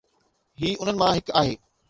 هي انهن مان هڪ آهي.